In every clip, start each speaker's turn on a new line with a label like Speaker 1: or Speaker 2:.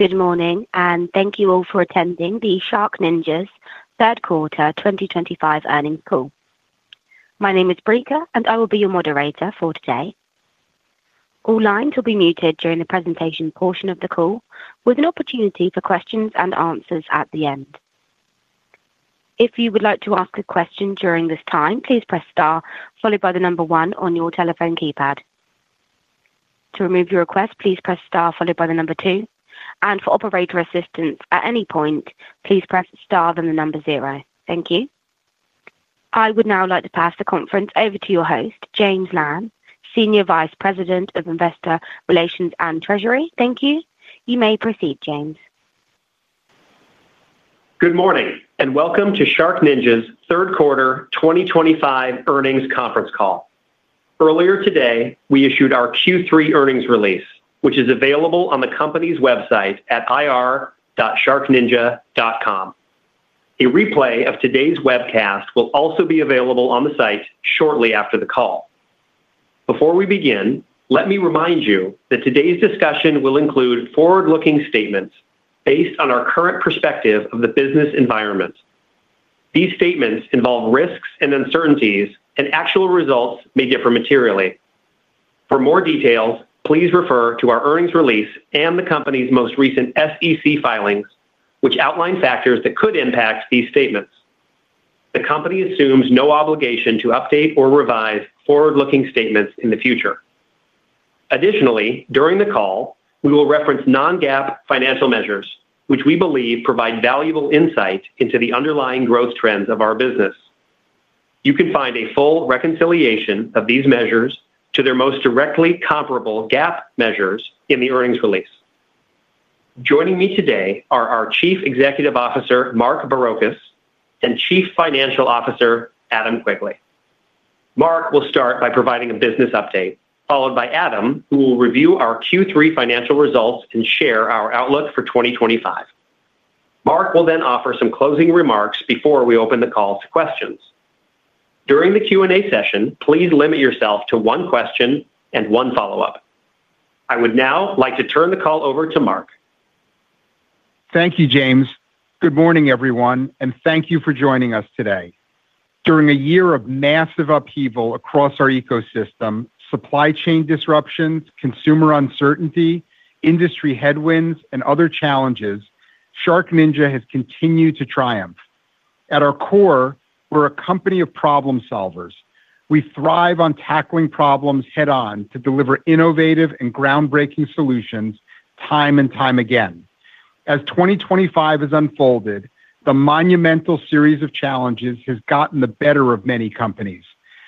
Speaker 1: Good morning, and thank you all for attending the SharkNinja's third quarter 2025 earnings call. My name is Brika, and I will be your moderator for today. All lines will be muted during the presentation portion of the call, with an opportunity for questions and answers at the end. If you would like to ask a question during this time, please press star followed by the number one on your telephone keypad. To remove your request, please press star followed by the number two. For operator assistance at any point, please press star then the number zero. Thank you. I would now like to pass the conference over to your host, James Lamb, Senior Vice President of Investor Relations and Treasury. Thank you. You may proceed, James.
Speaker 2: Good morning, and welcome to SharkNinja's third quarter 2025 earnings conference call. Earlier today, we issued our Q3 earnings release, which is available on the company's website at irr.sharkninja.com. A replay of today's webcast will also be available on the site shortly after the call. Before we begin, let me remind you that today's discussion will include forward-looking statements based on our current perspective of the business environment. These statements involve risks and uncertainties, and actual results may differ materially. For more details, please refer to our earnings release and the company's most recent SEC filings, which outline factors that could impact these statements. The company assumes no obligation to update or revise forward-looking statements in the future. Additionally, during the call, we will reference non-GAAP financial measures, which we believe provide valuable insight into the underlying growth trends of our business. You can find a full reconciliation of these measures to their most directly comparable GAAP measures in the earnings release. Joining me today are our Chief Executive Officer, Mark Barrocas, and Chief Financial Officer, Adam Quigley. Mark will start by providing a business update, followed by Adam, who will review our Q3 financial results and share our outlook for 2025. Mark will then offer some closing remarks before we open the call to questions. During the Q&A session, please limit yourself to one question and one follow-up. I would now like to turn the call over to Mark.
Speaker 3: Thank you, James. Good morning, everyone, and thank you for joining us today. During a year of massive upheaval across our ecosystem, supply chain disruptions, consumer uncertainty, industry headwinds, and other challenges, SharkNinja has continued to triumph. At our core, we're a company of problem solvers. We thrive on tackling problems head-on to deliver innovative and groundbreaking solutions time and time again. As 2025 has unfolded, the monumental series of challenges has gotten the better of many companies.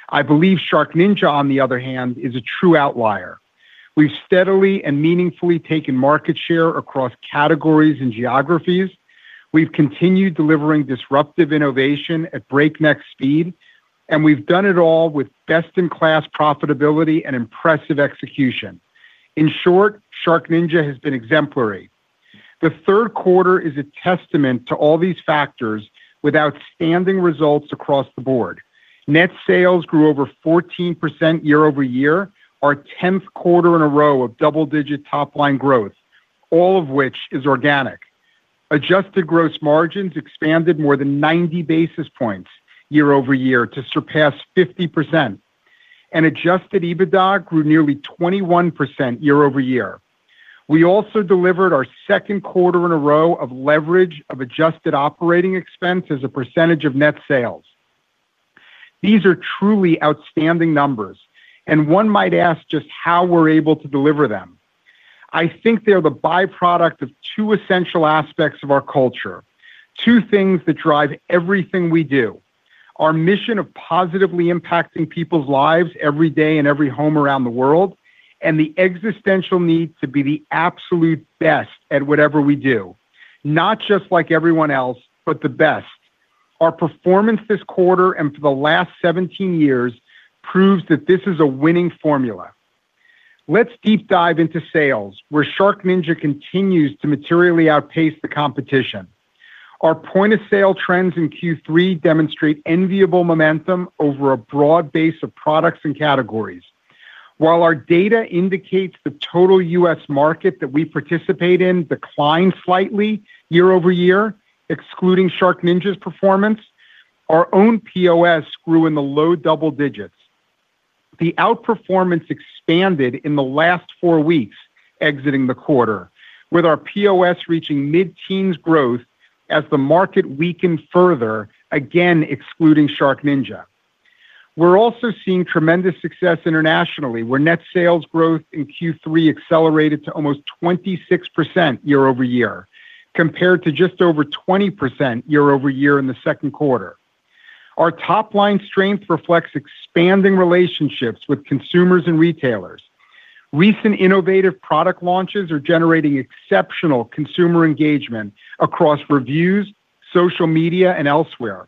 Speaker 3: I believe SharkNinja, on the other hand, is a true outlier. We've steadily and meaningfully taken market share across categories and geographies. We've continued delivering disruptive innovation at breakneck speed, and we've done it all with best-in-class profitability and impressive execution. In short, SharkNinja has been exemplary. The third quarter is a testament to all these factors with outstanding results across the board. Net sales grew over 14% year over year, our 10th quarter in a row of double-digit top-line growth, all of which is organic. Adjusted gross margins expanded more than 90 basis points year over year to surpass 50%. Adjusted EBITDA grew nearly 21% year over year. We also delivered our second quarter in a row of leverage of adjusted operating expense as a percentage of net sales. These are truly outstanding numbers, and one might ask just how we're able to deliver them. I think they're the byproduct of two essential aspects of our culture, two things that drive everything we do: our mission of positively impacting people's lives every day in every home around the world and the existential need to be the absolute best at whatever we do, not just like everyone else, but the best. Our performance this quarter and for the last 17 years proves that this is a winning formula. Let's deep dive into sales, where SharkNinja continues to materially outpace the competition. Our point-of-sale trends in Q3 demonstrate enviable momentum over a broad base of products and categories. While our data indicates the total U.S. market that we participate in declined slightly year over year, excluding SharkNinja's performance, our own POS grew in the low double digits. The outperformance expanded in the last four weeks exiting the quarter, with our POS reaching mid-teens growth as the market weakened further, again excluding SharkNinja. We're also seeing tremendous success internationally, where net sales growth in Q3 accelerated to almost 26% year over year, compared to just over 20% year over year in the second quarter. Our top-line strength reflects expanding relationships with consumers and retailers. Recent innovative product launches are generating exceptional consumer engagement across reviews, social media, and elsewhere.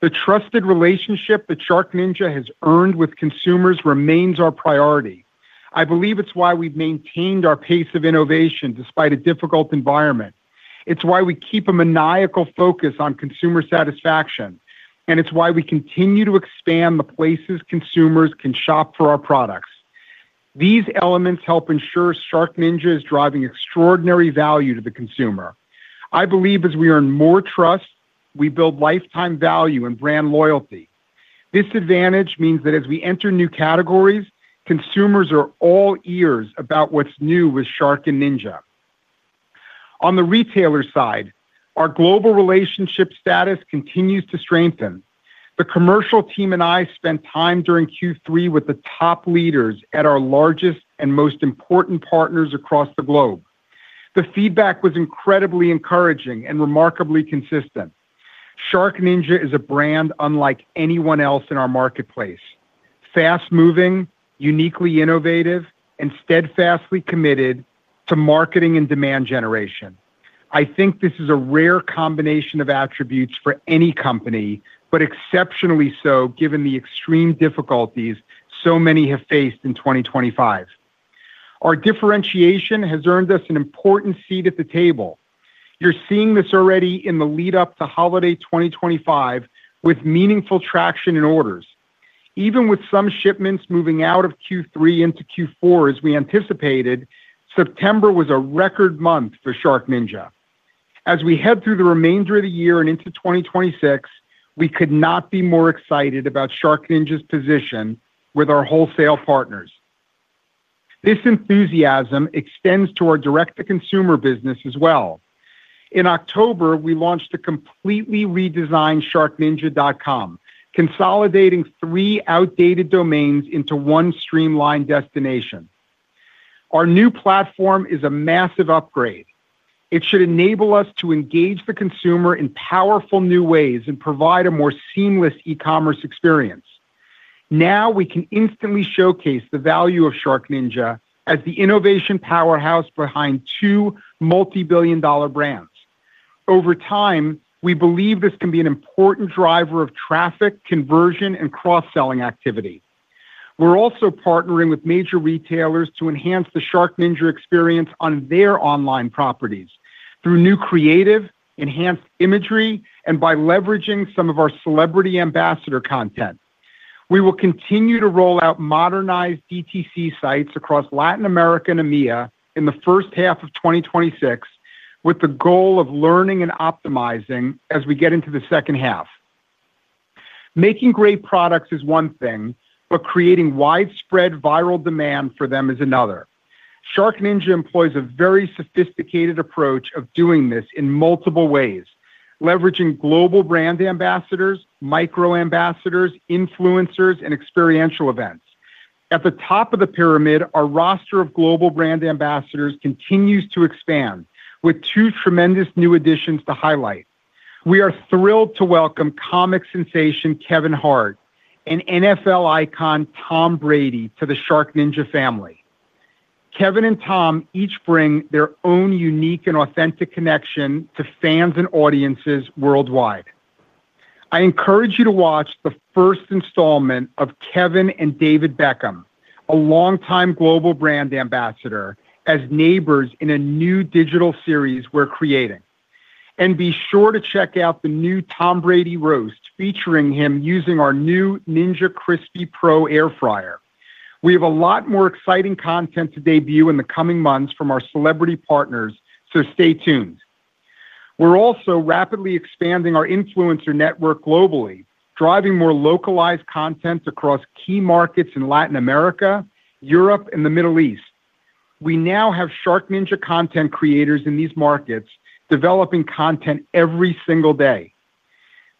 Speaker 3: The trusted relationship that SharkNinja has earned with consumers remains our priority. I believe it's why we've maintained our pace of innovation despite a difficult environment. It's why we keep a maniacal focus on consumer satisfaction, and it's why we continue to expand the places consumers can shop for our products. These elements help ensure SharkNinja is driving extraordinary value to the consumer. I believe as we earn more trust, we build lifetime value and brand loyalty. This advantage means that as we enter new categories, consumers are all ears about what's new with SharkNinja. On the retailer side, our global relationship status continues to strengthen. The commercial team and I spent time during Q3 with the top leaders at our largest and most important partners across the globe. The feedback was incredibly encouraging and remarkably consistent. SharkNinja is a brand unlike anyone else in our marketplace: fast-moving, uniquely innovative, and steadfastly committed to marketing and demand generation. I think this is a rare combination of attributes for any company, but exceptionally so given the extreme difficulties so many have faced in 2025. Our differentiation has earned us an important seat at the table. You're seeing this already in the lead-up to holiday 2025, with meaningful traction in orders. Even with some shipments moving out of Q3 into Q4, as we anticipated, September was a record month for SharkNinja. As we head through the remainder of the year and into 2026, we could not be more excited about SharkNinja's position with our wholesale partners. This enthusiasm extends to our direct-to-consumer business as well. In October, we launched a completely redesigned sharkninja.com, consolidating three outdated domains into one streamlined destination. Our new platform is a massive upgrade. It should enable us to engage the consumer in powerful new ways and provide a more seamless e-commerce experience. Now we can instantly showcase the value of SharkNinja as the innovation powerhouse behind two multi-billion-dollar brands. Over time, we believe this can be an important driver of traffic, conversion, and cross-selling activity. We're also partnering with major retailers to enhance the SharkNinja experience on their online properties through new creative, enhanced imagery, and by leveraging some of our celebrity ambassador content. We will continue to roll out modernized DTC sites across Latin America and EMEA in the first half of 2026, with the goal of learning and optimizing as we get into the second half. Making great products is one thing, but creating widespread viral demand for them is another. SharkNinja employs a very sophisticated approach of doing this in multiple ways, leveraging global brand ambassadors, micro-ambassadors, influencers, and experiential events. At the top of the pyramid, our roster of global brand ambassadors continues to expand, with two tremendous new additions to highlight. We are thrilled to welcome comic sensation Kevin Hart and NFL icon Tom Brady to the SharkNinja family. Kevin and Tom each bring their own unique and authentic connection to fans and audiences worldwide. I encourage you to watch the first installment of Kevin and David Beckham, a longtime global brand ambassador, as neighbors in a new digital series we are creating. Be sure to check out the new Tom Brady roast featuring him using our new Ninja Crispi Pro air fryer. We have a lot more exciting content to debut in the coming months from our celebrity partners, so stay tuned. We're also rapidly expanding our influencer network globally, driving more localized content across key markets in Latin America, Europe, and the Middle East. We now have SharkNinja content creators in these markets developing content every single day.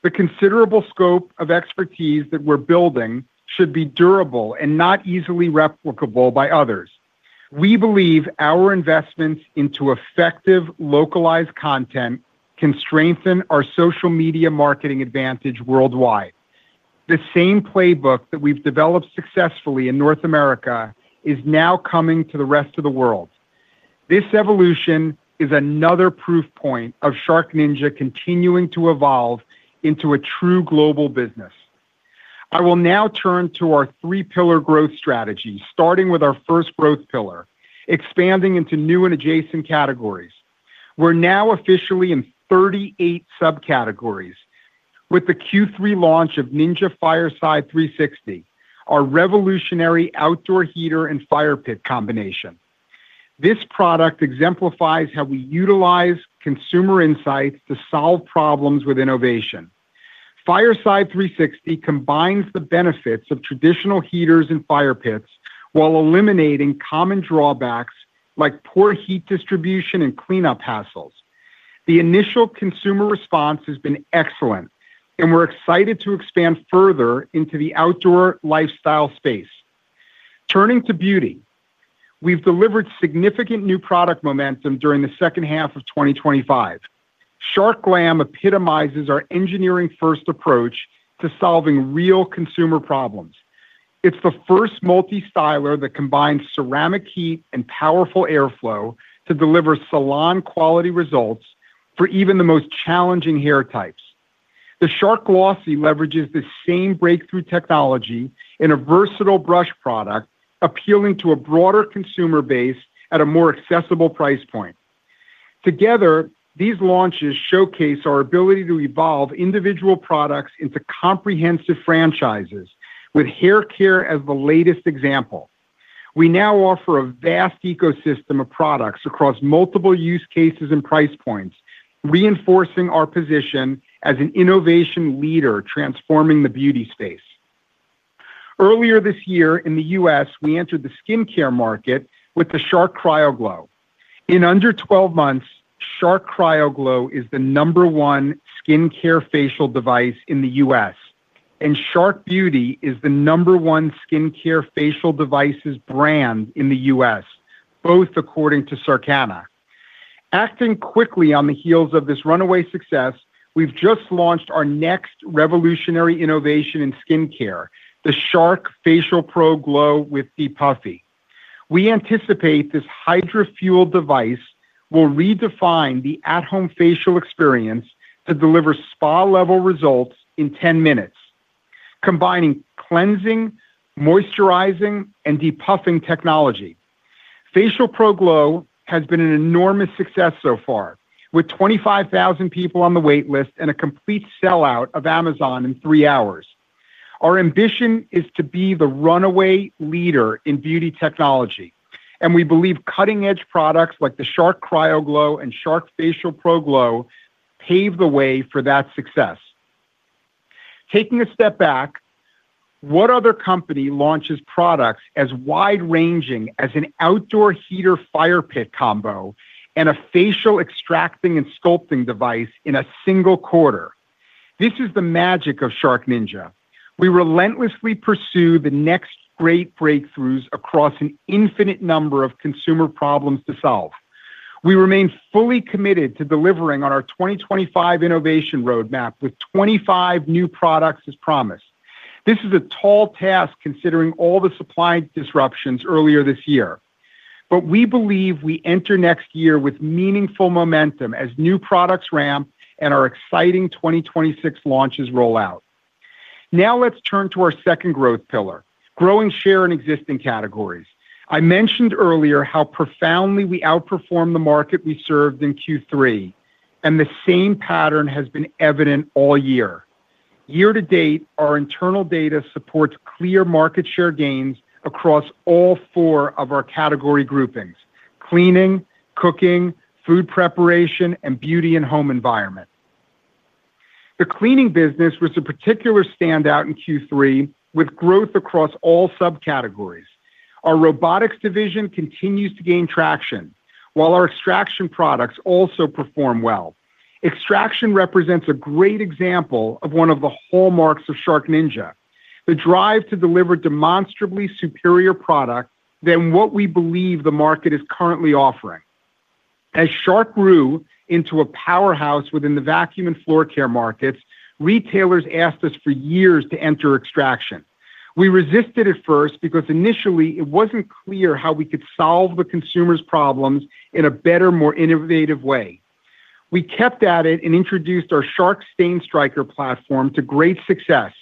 Speaker 3: The considerable scope of expertise that we're building should be durable and not easily replicable by others. We believe our investments into effective localized content can strengthen our social media marketing advantage worldwide. The same playbook that we've developed successfully in North America is now coming to the rest of the world. This evolution is another proof point of SharkNinja continuing to evolve into a true global business. I will now turn to our three-pillar growth strategy, starting with our first growth pillar, expanding into new and adjacent categories. We're now officially in 38 subcategories with the Q3 launch of Ninja Fireside360, our revolutionary outdoor heater and fire pit combination. This product exemplifies how we utilize consumer insights to solve problems with innovation. Ninja Fireside360 combines the benefits of traditional heaters and fire pits while eliminating common drawbacks like poor heat distribution and cleanup hassles. The initial consumer response has been excellent, and we're excited to expand further into the outdoor lifestyle space. Turning to beauty, we've delivered significant new product momentum during the second half of 2025. Shark FlexStyle epitomizes our engineering-first approach to solving real consumer problems. It's the first multi-styler that combines ceramic heat and powerful airflow to deliver salon-quality results for even the most challenging hair types. The Shark Glossy leverages the same breakthrough technology in a versatile brush product, appealing to a broader consumer base at a more accessible price point. Together, these launches showcase our ability to evolve individual products into comprehensive franchises, with hair care as the latest example. We now offer a vast ecosystem of products across multiple use cases and price points, reinforcing our position as an innovation leader transforming the beauty space. Earlier this year in the U.S., we entered the skincare market with the Shark CryoGlow. In under 12 months, Shark CryoGlow is the number one skincare facial device in the U.S., and Shark Beauty is the number one skincare facial devices brand in the U.S., both according to Circana. Acting quickly on the heels of this runaway success, we have just launched our next revolutionary innovation in skincare, the Shark FacialPro Glow with Deep Puffy. We anticipate this hydrofueled device will redefine the at-home facial experience to deliver spa-level results in 10 minutes, combining cleansing, moisturizing, and depuffing technology. FacialPro Glow has been an enormous success so far, with 25,000 people on the waitlist and a complete sellout of Amazon in three hours. Our ambition is to be the runaway leader in beauty technology, and we believe cutting-edge products like the Shark CryoGlow and Shark FacialPro Glow pave the way for that success. Taking a step back. What other company launches products as wide-ranging as an outdoor heater/fire pit combo and a facial extracting and sculpting device in a single quarter? This is the magic of SharkNinja. We relentlessly pursue the next great breakthroughs across an infinite number of consumer problems to solve. We remain fully committed to delivering on our 2025 innovation roadmap with 25 new products as promised. This is a tall task considering all the supply disruptions earlier this year, but we believe we enter next year with meaningful momentum as new products ramp and our exciting 2026 launches roll out. Now let's turn to our second growth pillar, growing share in existing categories. I mentioned earlier how profoundly we outperformed the market we served in Q3, and the same pattern has been evident all year. Year to date, our internal data supports clear market share gains across all four of our category groupings: cleaning, cooking, food preparation, and beauty and home environment. The cleaning business was a particular standout in Q3 with growth across all subcategories. Our robotics division continues to gain traction, while our extraction products also perform well. Extraction represents a great example of one of the hallmarks of SharkNinja, the drive to deliver demonstrably superior products than what we believe the market is currently offering. As Shark grew into a powerhouse within the vacuum and floor care markets, retailers asked us for years to enter extraction. We resisted at first because initially it was not clear how we could solve the consumer's problems in a better, more innovative way. We kept at it and introduced our Shark StainStriker platform to great success.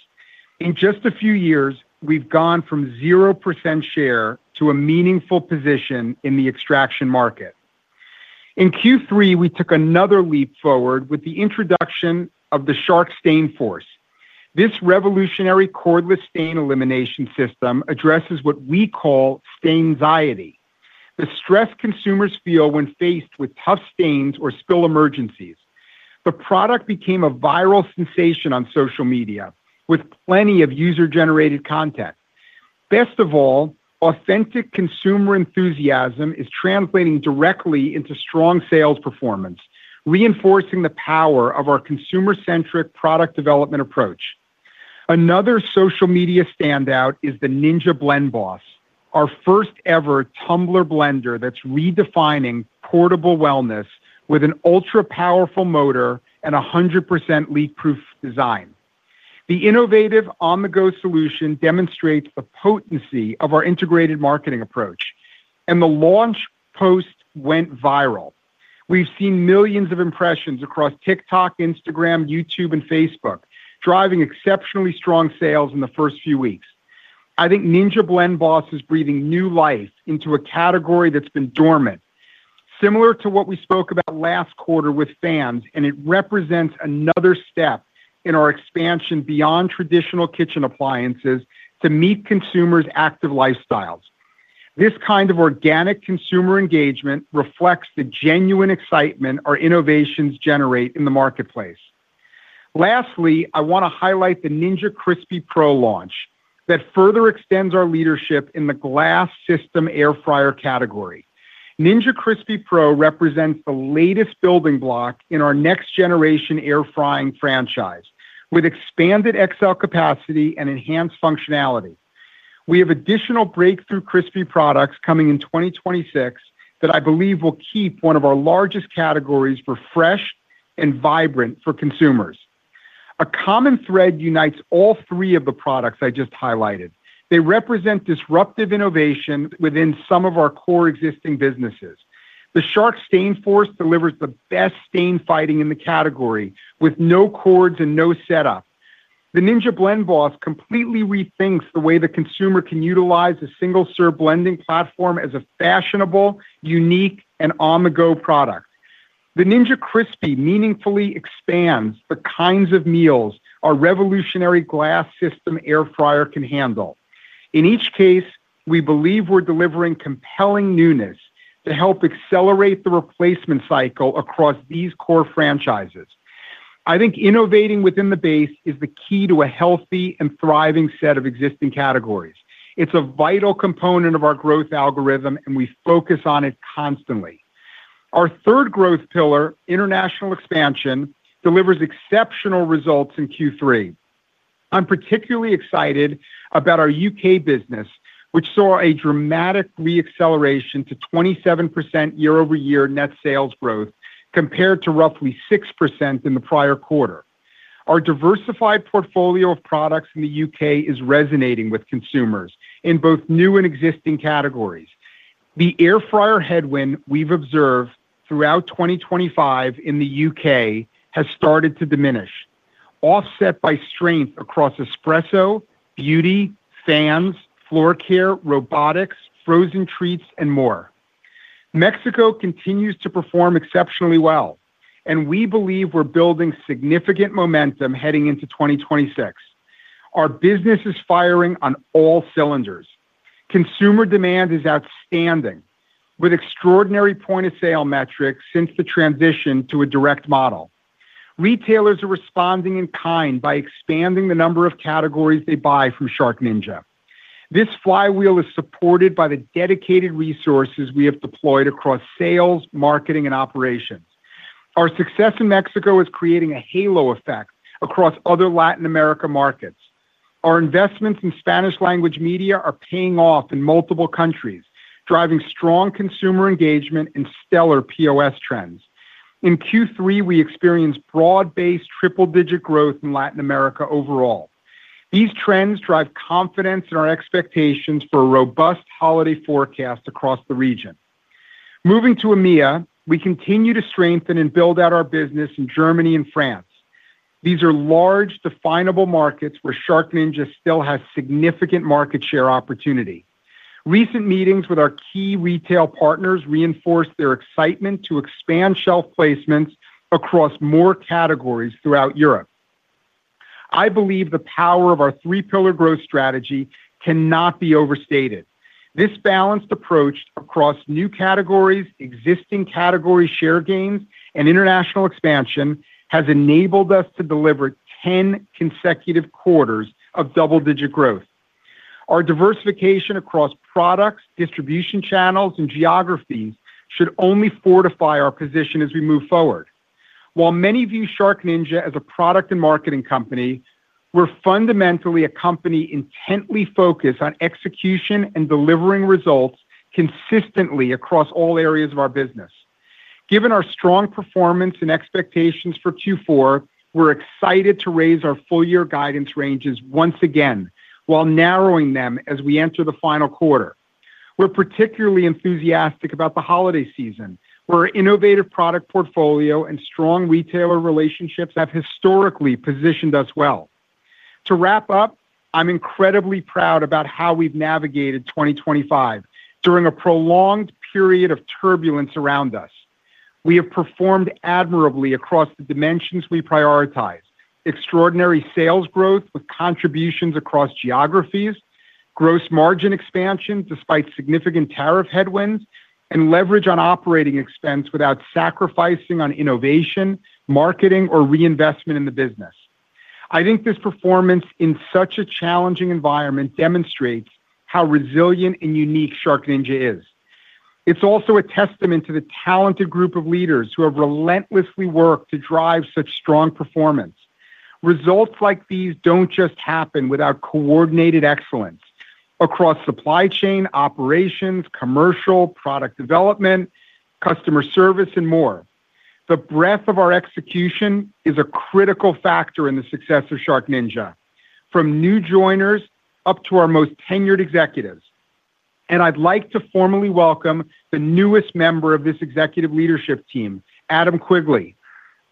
Speaker 3: In just a few years, we've gone from 0% share to a meaningful position in the extraction market. In Q3, we took another leap forward with the introduction of the Shark StainForce. This revolutionary cordless stain elimination system addresses what we call stainsiety, the stress consumers feel when faced with tough stains or spill emergencies. The product became a viral sensation on social media with plenty of user-generated content. Best of all, authentic consumer enthusiasm is translating directly into strong sales performance, reinforcing the power of our consumer-centric product development approach. Another social media standout is the Ninja Blend Boss, our first-ever tumbler blender that's redefining portable wellness with an ultra-powerful motor and 100% leak-proof design. The innovative on-the-go solution demonstrates the potency of our integrated marketing approach, and the launch post went viral. We've seen millions of impressions across TikTok, Instagram, YouTube, and Facebook, driving exceptionally strong sales in the first few weeks. I think Ninja Blend Boss is breathing new life into a category that's been dormant, similar to what we spoke about last quarter with fans, and it represents another step in our expansion beyond traditional kitchen appliances to meet consumers' active lifestyles. This kind of organic consumer engagement reflects the genuine excitement our innovations generate in the marketplace. Lastly, I want to highlight the Ninja Crispi Pro launch that further extends our leadership in the glass system air fryer category. Ninja Crispi Pro represents the latest building block in our next-generation air frying franchise with expanded XL capacity and enhanced functionality. We have additional breakthrough Crispi products coming in 2026 that I believe will keep one of our largest categories refreshed and vibrant for consumers. A common thread unites all three of the products I just highlighted. They represent disruptive innovation within some of our core existing businesses. The Shark StainForce delivers the best stain fighting in the category with no cords and no setup. The Ninja Blend Boss completely rethinks the way the consumer can utilize a single-serve blending platform as a fashionable, unique, and on-the-go product. The Ninja Crispi meaningfully expands the kinds of meals our revolutionary glass system air fryer can handle. In each case, we believe we're delivering compelling newness to help accelerate the replacement cycle across these core franchises. I think innovating within the base is the key to a healthy and thriving set of existing categories. It's a vital component of our growth algorithm, and we focus on it constantly. Our third growth pillar, international expansion, delivers exceptional results in Q3. I'm particularly excited about our U.K. business, which saw a dramatic re-acceleration to 27% year-over-year net sales growth compared to roughly 6% in the prior quarter. Our diversified portfolio of products in the U.K. is resonating with consumers in both new and existing categories. The air fryer headwind we've observed throughout 2025 in the U.K. has started to diminish. Offset by strength across espresso, beauty, fans, floor care, robotics, frozen treats, and more. Mexico continues to perform exceptionally well, and we believe we are building significant momentum heading into 2026. Our business is firing on all cylinders. Consumer demand is outstanding with extraordinary point-of-sale metrics since the transition to a direct model. Retailers are responding in kind by expanding the number of categories they buy from SharkNinja. This flywheel is supported by the dedicated resources we have deployed across sales, marketing, and operations. Our success in Mexico is creating a halo effect across other Latin America markets. Our investments in Spanish-language media are paying off in multiple countries, driving strong consumer engagement and stellar POS trends. In Q3, we experienced broad-based triple-digit growth in Latin America overall. These trends drive confidence in our expectations for a robust holiday forecast across the region. Moving to EMEA, we continue to strengthen and build out our business in Germany and France. These are large definable markets where SharkNinja still has significant market share opportunity. Recent meetings with our key retail partners reinforced their excitement to expand shelf placements across more categories throughout Europe. I believe the power of our three-pillar growth strategy cannot be overstated. This balanced approach across new categories, existing category share gains, and international expansion has enabled us to deliver 10 consecutive quarters of double-digit growth. Our diversification across products, distribution channels, and geographies should only fortify our position as we move forward. While many view SharkNinja as a product and marketing company, we're fundamentally a company intently focused on execution and delivering results consistently across all areas of our business. Given our strong performance and expectations for Q4, we're excited to raise our full-year guidance ranges once again while narrowing them as we enter the final quarter. We're particularly enthusiastic about the holiday season, where our innovative product portfolio and strong retailer relationships have historically positioned us well. To wrap up, I'm incredibly proud about how we've navigated 2025 during a prolonged period of turbulence around us. We have performed admirably across the dimensions we prioritized: extraordinary sales growth with contributions across geographies, gross margin expansion despite significant tariff headwinds, and leverage on operating expense without sacrificing on innovation, marketing, or reinvestment in the business. I think this performance in such a challenging environment demonstrates how resilient and unique SharkNinja is. It's also a testament to the talented group of leaders who have relentlessly worked to drive such strong performance. Results like these do not just happen without coordinated excellence across supply chain, operations, commercial, product development, customer service, and more. The breadth of our execution is a critical factor in the success of SharkNinja, from new joiners up to our most tenured executives. I would like to formally welcome the newest member of this executive leadership team, Adam Quigley.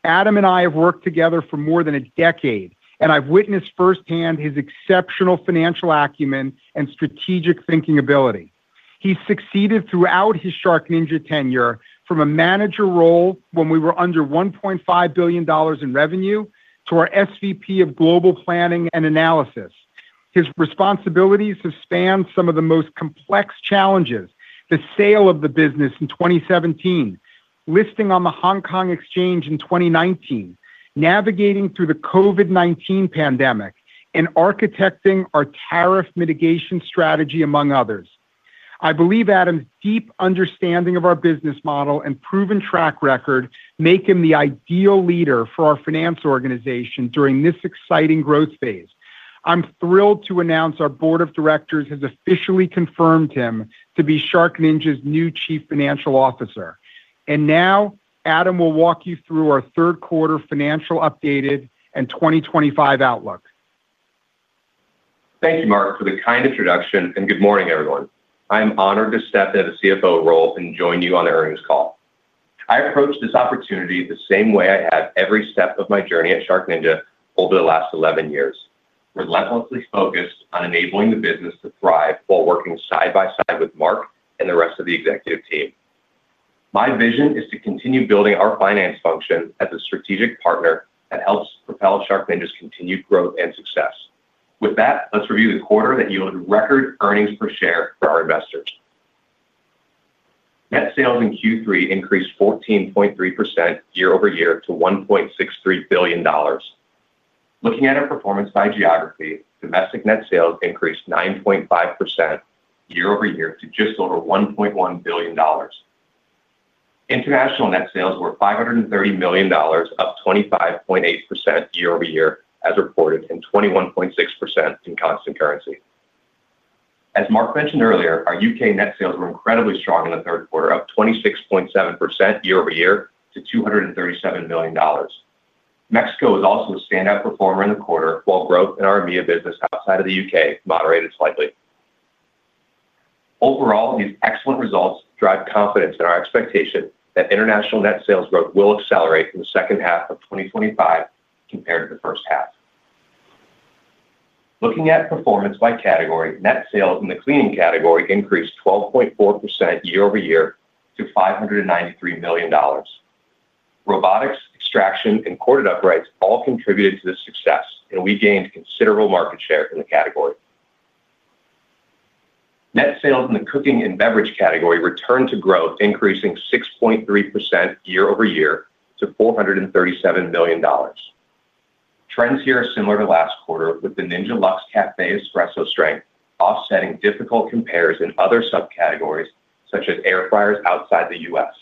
Speaker 3: Adam and I have worked together for more than a decade, and I have witnessed firsthand his exceptional financial acumen and strategic thinking ability. He succeeded throughout his SharkNinja tenure from a manager role when we were under $1.5 billion in revenue to our SVP of global planning and analysis. His responsibilities have spanned some of the most complex challenges: the sale of the business in 2017, listing on the Hong Kong Exchange in 2019, navigating through the COVID-19 pandemic, and architecting our tariff mitigation strategy, among others. I believe Adam's deep understanding of our business model and proven track record make him the ideal leader for our finance organization during this exciting growth phase. I'm thrilled to announce our board of directors has officially confirmed him to be SharkNinja's new Chief Financial Officer. Now, Adam will walk you through our third-quarter financial update and 2025 outlook.
Speaker 4: Thank you, Mark, for the kind introduction, and good morning, everyone. I'm honored to step into the CFO role and join you on the earnings call. I approached this opportunity the same way I have every step of my journey at SharkNinja over the last 11 years, relentlessly focused on enabling the business to thrive while working side by side with Mark and the rest of the executive team. My vision is to continue building our finance function as a strategic partner that helps propel SharkNinja's continued growth and success. With that, let's review the quarter that yielded record earnings per share for our investors. Net sales in Q3 increased 14.3% year-over-year to $1.63 billion. Looking at our performance by geography, domestic net sales increased 9.5% year-over-year to just over $1.1 billion. International net sales were $530 million, up 25.8% year-over-year, as reported, and 21.6% in constant currency. As Mark mentioned earlier, our U.K. net sales were incredibly strong in the third quarter, up 26.7% year-over-year to $237 million. Mexico was also a standout performer in the quarter, while growth in our EMEA business outside of the U.K. moderated slightly. Overall, these excellent results drive confidence in our expectation that international net sales growth will accelerate in the second half of 2025 compared to the first half. Looking at performance by category, net sales in the cleaning category increased 12.4% year-over-year to $593 million. Robotics, extraction, and corded uprights all contributed to this success, and we gained considerable market share in the category. Net sales in the cooking and beverage category returned to growth, increasing 6.3% year-over-year to $437 million. Trends here are similar to last quarter, with the Ninja Luxe Cafe espresso strength offsetting difficult compares in other subcategories such as air fryers outside the U.S.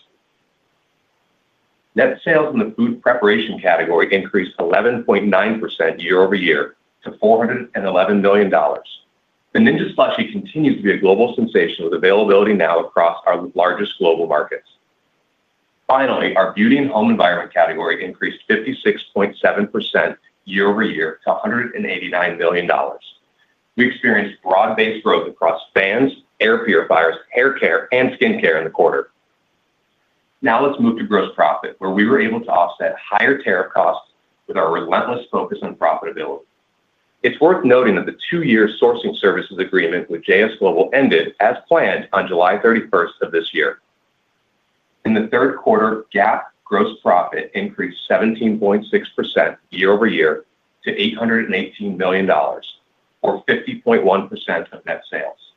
Speaker 4: Net sales in the food preparation category increased 11.9% year-over-year to $411 million. The Ninja Slushie continues to be a global sensation with availability now across our largest global markets. Finally, our beauty and home environment category increased 56.7% year-over-year to $189 million. We experienced broad-based growth across fans, air purifiers, hair care, and skin care in the quarter. Now let's move to gross profit, where we were able to offset higher tariff costs with our relentless focus on profitability. It's worth noting that the two-year sourcing services agreement with JS Global ended as planned on July 31 of this year. In the third quarter, GAAP gross profit increased 17.6% year-over-year to $818 million, or 50.1% of net sales.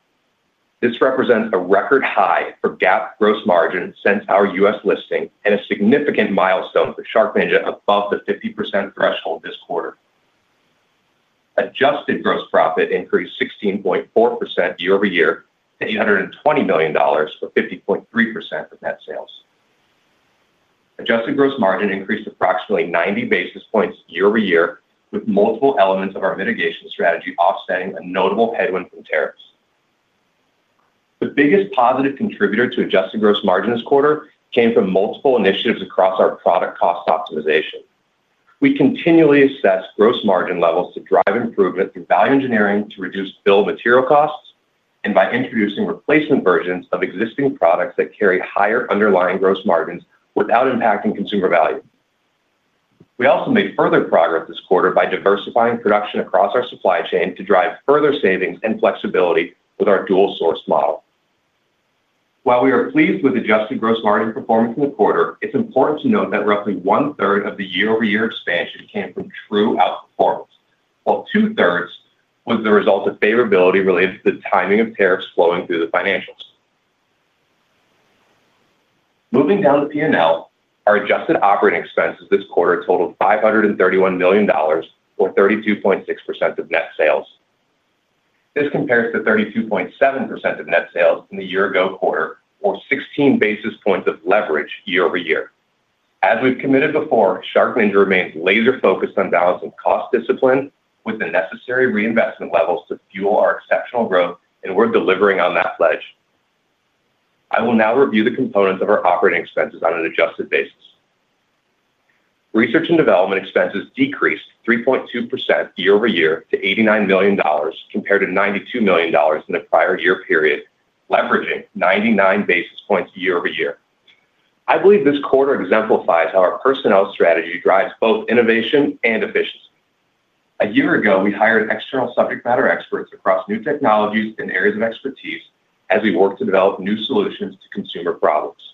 Speaker 4: This represents a record high for GAAP gross margin since our U.S. listing and a significant milestone for SharkNinja above the 50% threshold this quarter. Adjusted gross profit increased 16.4% year-over-year to $820 million, or 50.3% of net sales. Adjusted gross margin increased approximately 90 basis points year-over-year, with multiple elements of our mitigation strategy offsetting a notable headwind from tariffs. The biggest positive contributor to adjusted gross margin this quarter came from multiple initiatives across our product cost optimization. We continually assess gross margin levels to drive improvement through value engineering to reduce bill of material costs and by introducing replacement versions of existing products that carry higher underlying gross margins without impacting consumer value. We also made further progress this quarter by diversifying production across our supply chain to drive further savings and flexibility with our dual-source model. While we are pleased with adjusted gross margin performance in the quarter, it's important to note that roughly one-third of the year-over-year expansion came from true outperformance, while two-thirds was the result of favorability related to the timing of tariffs flowing through the financials. Moving down the P&L, our adjusted operating expenses this quarter totaled $531 million, or 32.6% of net sales. This compares to 32.7% of net sales in the year-ago quarter, or 16 basis points of leverage year-over-year. As we've committed before, SharkNinja remains laser-focused on balancing cost discipline with the necessary reinvestment levels to fuel our exceptional growth, and we're delivering on that pledge. I will now review the components of our operating expenses on an adjusted basis. Research and development expenses decreased 3.2% year-over-year to $89 million compared to $92 million in the prior year period, leveraging 99 basis points year-over-year. I believe this quarter exemplifies how our personnel strategy drives both innovation and efficiency. A year ago, we hired external subject matter experts across new technologies and areas of expertise as we worked to develop new solutions to consumer problems.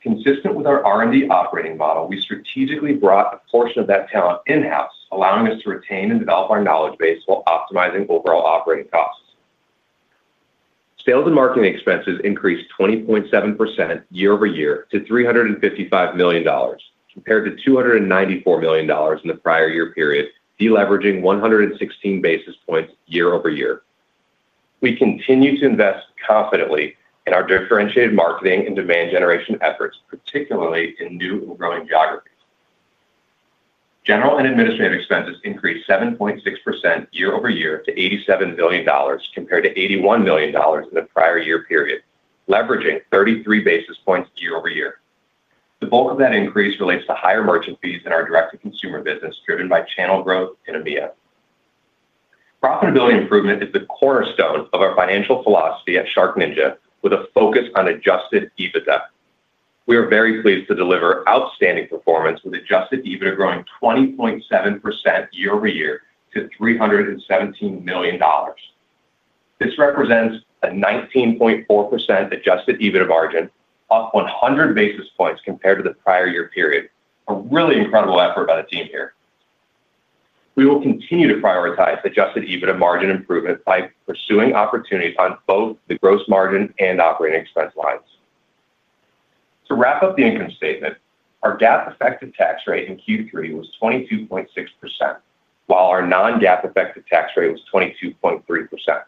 Speaker 4: Consistent with our R&D operating model, we strategically brought a portion of that talent in-house, allowing us to retain and develop our knowledge base while optimizing overall operating costs. Sales and marketing expenses increased 20.7% year-over-year to $355 million, compared to $294 million in the prior year period, deleveraging 116 basis points year-over-year. We continue to invest confidently in our differentiated marketing and demand generation efforts, particularly in new and growing geographies. General and administrative expenses increased 7.6% year-over-year to $87 million, compared to $81 million in the prior year period, leveraging 33 basis points year-over-year. The bulk of that increase relates to higher merchant fees in our direct-to-consumer business, driven by channel growth in EMEA. Profitability improvement is the cornerstone of our financial philosophy at SharkNinja, with a focus on adjusted EBITDA. We are very pleased to deliver outstanding performance, with adjusted EBITDA growing 20.7% year-over-year to $317 million. This represents a 19.4% adjusted EBITDA margin, up 100 basis points compared to the prior year period, a really incredible effort by the team here. We will continue to prioritize adjusted EBITDA margin improvement by pursuing opportunities on both the gross margin and operating expense lines. To wrap up the income statement, our GAAP effective tax rate in Q3 was 22.6%, while our non-GAAP effective tax rate was 22.3%.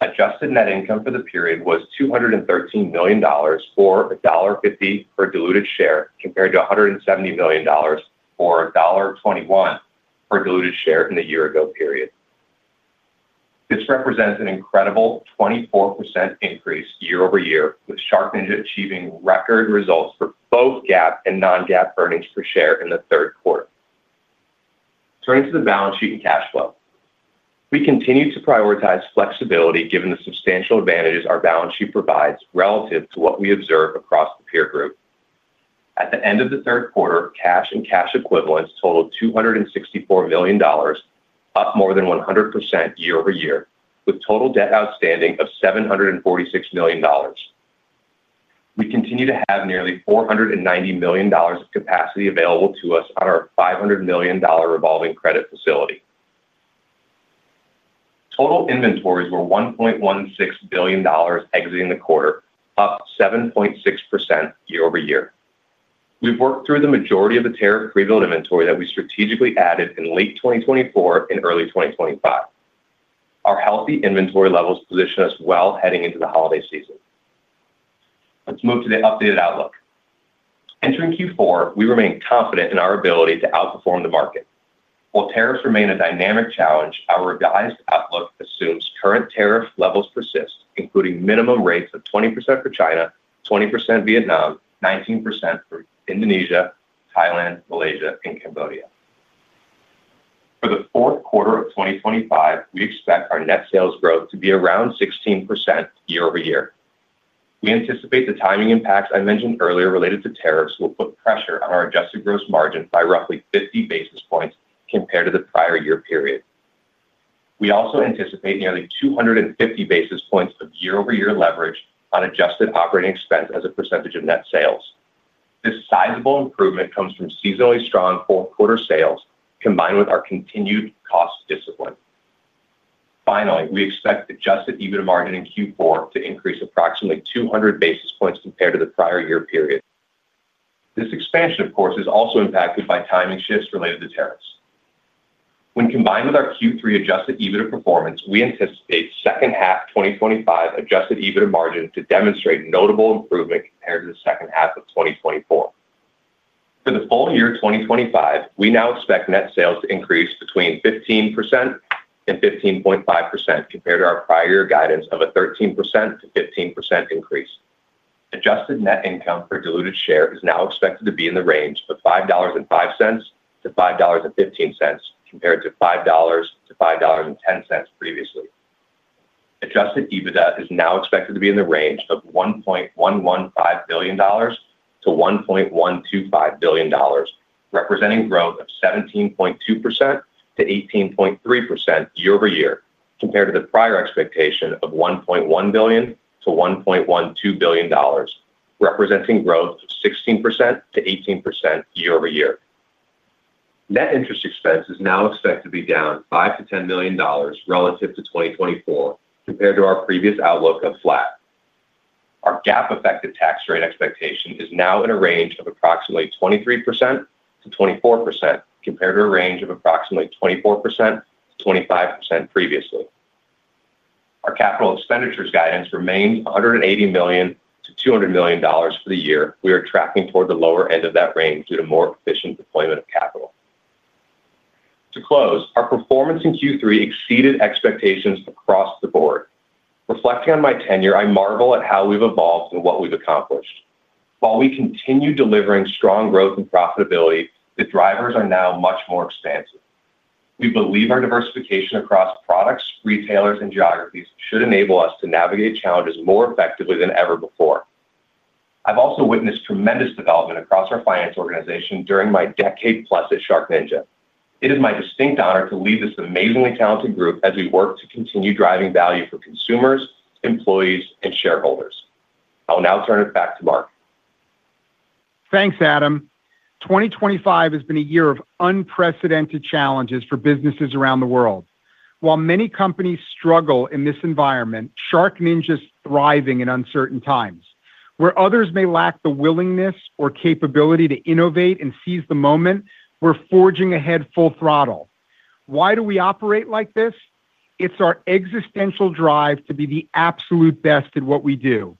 Speaker 4: Adjusted net income for the period was $213 million, or $1.50 per diluted share, compared to $170 million, or $1.21 per diluted share in the year-ago period. This represents an incredible 24% increase year-over-year, with SharkNinja achieving record results for both GAAP and non-GAAP earnings per share in the third quarter. Turning to the balance sheet and cash flow, we continue to prioritize flexibility given the substantial advantages our balance sheet provides relative to what we observe across the peer group. At the end of the third quarter, cash and cash equivalents totaled $264 million, up more than 100% year-over-year, with total debt outstanding of $746 million. We continue to have nearly $490 million of capacity available to us on our $500 million revolving credit facility. Total inventories were $1.16 billion exiting the quarter, up 7.6% year-over-year. We've worked through the majority of the tariff prebuilt inventory that we strategically added in late 2024 and early 2025. Our healthy inventory levels position us well heading into the holiday season. Let's move to the updated outlook. Entering Q4, we remain confident in our ability to outperform the market. While tariffs remain a dynamic challenge, our revised outlook assumes current tariff levels persist, including minimum rates of 20% for China, 20% for Vietnam, 19% for Indonesia, Thailand, Malaysia, and Cambodia. For the fourth quarter of 2025, we expect our net sales growth to be around 16% year-over-year. We anticipate the timing impacts I mentioned earlier related to tariffs will put pressure on our adjusted gross margin by roughly 50 basis points compared to the prior year period. We also anticipate nearly 250 basis points of year-over-year leverage on adjusted operating expense as a percentage of net sales. This sizable improvement comes from seasonally strong fourth-quarter sales, combined with our continued cost discipline. Finally, we expect adjusted EBITDA margin in Q4 to increase approximately 200 basis points compared to the prior year period. This expansion, of course, is also impacted by timing shifts related to tariffs. When combined with our Q3 adjusted EBITDA performance, we anticipate second half 2025 adjusted EBITDA margin to demonstrate notable improvement compared to the second half of 2024. For the full year 2025, we now expect net sales to increase between 15% and 15.5% compared to our prior year guidance of a 13%-15% increase. Adjusted net income per diluted share is now expected to be in the range of $5.05-$5.15 compared to $5.00-$5.10 previously. Adjusted EBITDA is now expected to be in the range of $1.115 billion-$1.125 billion, representing growth of 17.2%-18.3% year-over-year compared to the prior expectation of $1.1 billion-$1.12 billion, representing growth of 16%-18% year-over-year. Net interest expense is now expected to be down $5-$10 million relative to 2024 compared to our previous outlook of flat. Our GAAP effective tax rate expectation is now in a range of approximately 23%-24% compared to a range of approximately 24%-25% previously. Our capital expenditures guidance remains $180 million-$200 million for the year. We are tracking toward the lower end of that range due to more efficient deployment of capital. To close, our performance in Q3 exceeded expectations across the board. Reflecting on my tenure, I marvel at how we've evolved and what we've accomplished. While we continue delivering strong growth and profitability, the drivers are now much more expansive. We believe our diversification across products, retailers, and geographies should enable us to navigate challenges more effectively than ever before. I've also witnessed tremendous development across our finance organization during my decade-plus at SharkNinja. It is my distinct honor to lead this amazingly talented group as we work to continue driving value for consumers, employees, and shareholders. I'll now turn it back to Mark.
Speaker 3: Thanks, Adam. 2025 has been a year of unprecedented challenges for businesses around the world. While many companies struggle in this environment, SharkNinja is thriving in uncertain times. Where others may lack the willingness or capability to innovate and seize the moment, we're forging ahead full throttle. Why do we operate like this? It's our existential drive to be the absolute best at what we do.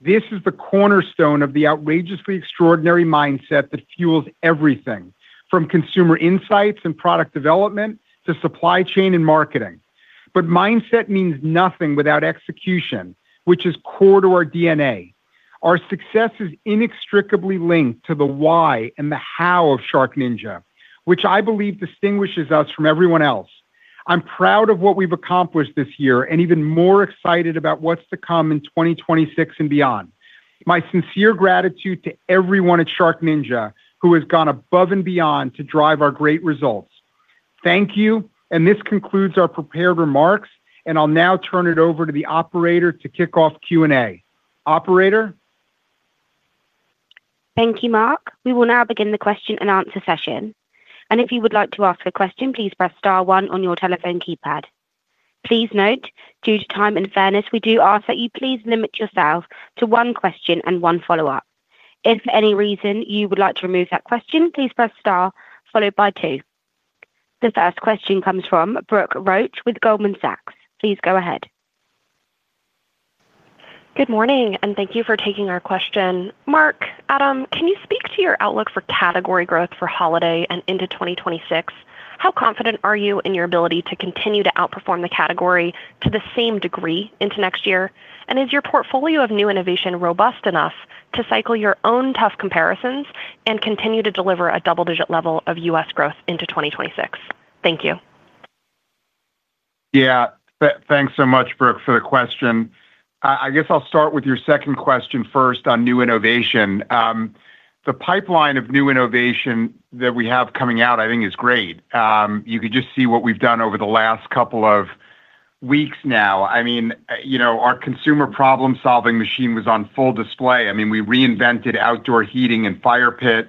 Speaker 3: This is the cornerstone of the outrageously extraordinary mindset that fuels everything from consumer insights and product development to supply chain and marketing. Mindset means nothing without execution, which is core to our D&A. Our success is inextricably linked to the why and the how of SharkNinja, which I believe distinguishes us from everyone else. I'm proud of what we've accomplished this year and even more excited about what's to come in 2026 and beyond. My sincere gratitude to everyone at SharkNinja who has gone above and beyond to drive our great results. Thank you, and this concludes our prepared remarks, and I'll now turn it over to the operator to kick off Q&A. Operator.
Speaker 1: Thank you, Mark. We will now begin the question and answer session. If you would like to ask a question, please press star one on your telephone keypad. Please note, due to time and fairness, we do ask that you please limit yourself to one question and one follow-up. If for any reason you would like to remove that question, please press star followed by two. The first question comes from Brooke Roach with Goldman Sachs. Please go ahead.
Speaker 5: Good morning, and thank you for taking our question. Mark, Adam, can you speak to your outlook for category growth for holiday and into 2026? How confident are you in your ability to continue to outperform the category to the same degree into next year? Is your portfolio of new innovation robust enough to cycle your own tough comparisons and continue to deliver a double-digit level of U.S. growth into 2026? Thank you.
Speaker 3: Yeah, thanks so much, Brooke, for the question. I guess I'll start with your second question first on new innovation. The pipeline of new innovation that we have coming out, I think, is great. You could just see what we've done over the last couple of weeks now. I mean, our consumer problem-solving machine was on full display. I mean, we reinvented outdoor heating and fire pit.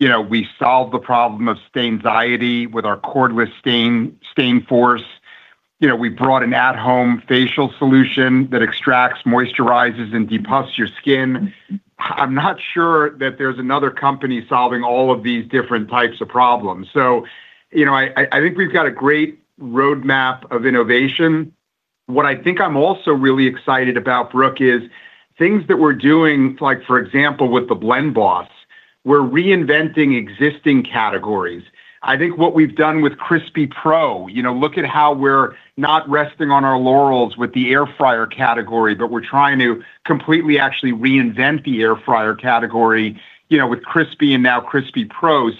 Speaker 3: We solved the problem of Stainsiety with our cordless StainForce. We brought an at-home facial solution that extracts, moisturizes, and depuffs your skin. I'm not sure that there's another company solving all of these different types of problems. I think we've got a great roadmap of innovation. What I think I'm also really excited about, Brooke, is things that we're doing, like for example, with the Blend Boss, we're reinventing existing categories. I think what we've done with Crispi Pro, look at how we're not resting on our laurels with the air fryer category, but we're trying to completely actually reinvent the air fryer category with Crispi and now Crispi Pro.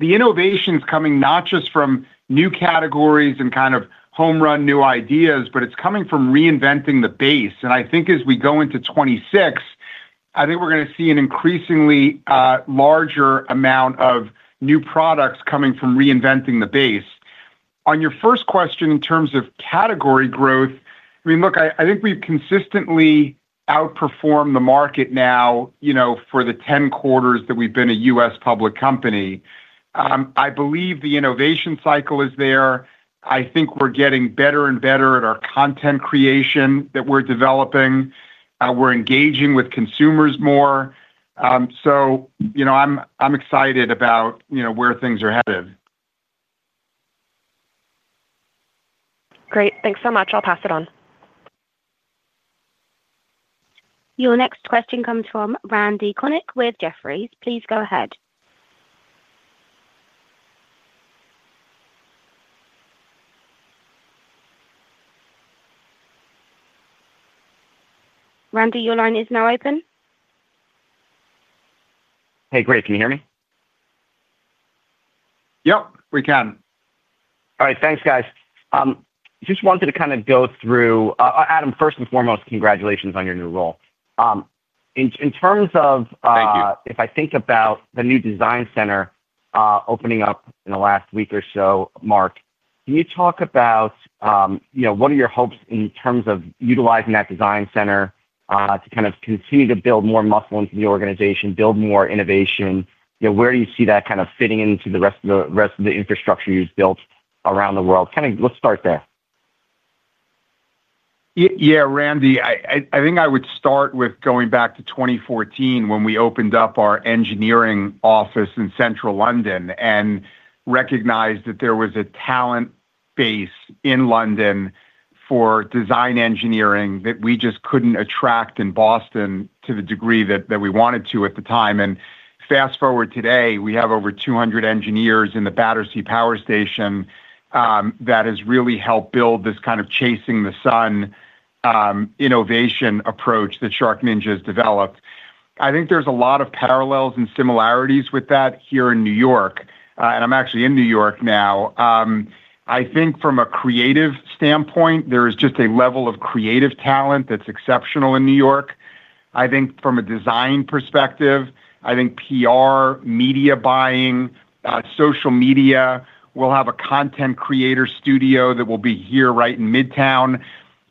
Speaker 3: The innovation is coming not just from new categories and kind of home-run new ideas, but it's coming from reinventing the base. I think as we go into 2026, I think we're going to see an increasingly larger amount of new products coming from reinventing the base. On your first question in terms of category growth, I mean, look, I think we've consistently outperformed the market now for the 10 quarters that we've been a U.S. public company. I believe the innovation cycle is there. I think we're getting better and better at our content creation that we're developing. We're engaging with consumers more. I'm excited about where things are headed.
Speaker 5: Great. Thanks so much. I'll pass it on.
Speaker 1: Your next question comes from Randy Konik with Jefferies. Please go ahead. Randy, your line is now open.
Speaker 6: Hey, great. Can you hear me?
Speaker 3: Yep, we can.
Speaker 6: All right. Thanks, guys. Just wanted to kind of go through, Adam, first and foremost, congratulations on your new role. Thank you. If I think about the new design center opening up in the last week or so, Mark, can you talk about what are your hopes in terms of utilizing that design center to kind of continue to build more muscle into the organization, build more innovation? Where do you see that kind of fitting into the rest of the infrastructure you've built around the world? Kind of let's start there.
Speaker 3: Yeah, Randy, I think I would start with going back to 2014 when we opened up our engineering office in central London and recognized that there was a talent base in London for design engineering that we just couldn't attract in Boston to the degree that we wanted to at the time. Fast forward to today, we have over 200 engineers in the Battersea Power Station. That has really helped build this kind of chasing the sun innovation approach that SharkNinja has developed. I think there's a lot of parallels and similarities with that here in New York. I'm actually in New York now. I think from a creative standpoint, there is just a level of creative talent that's exceptional in New York. I think from a design perspective, I think PR, media buying, social media, we'll have a content creator studio that will be here right in Midtown.